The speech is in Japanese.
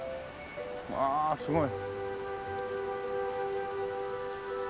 わあすごい。